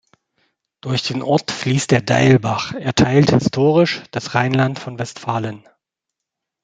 Durch den Ort fließt der Deilbach, er teilt historisch das Rheinland von Westfalen.